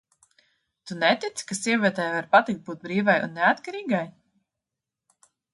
Tu netici, ka sievietei var patikt būt brīvai un neatkarīgai?